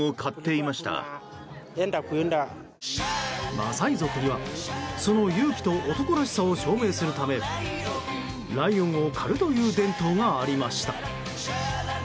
マサイ族には、その勇気と男らしさを証明するためライオンを狩るという伝統がありました。